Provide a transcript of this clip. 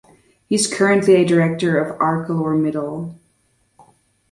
He is currently a director of ArcelorMittal.